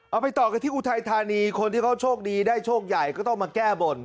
ไปต่อกันที่อุทัยธานีคนที่เขาโชคดีได้โชคใหญ่ก็ต้องมาแก้บน